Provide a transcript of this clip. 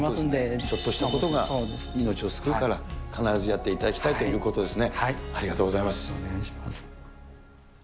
ちょっとしたことが命を救いますから、必ずやっていただきたいということですね。